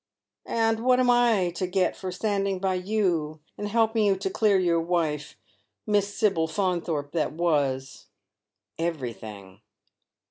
" And what am I to get for standing by you, and helping you to clear your ■wife — Miss Sibyl Faunthorpe that was." " Everything."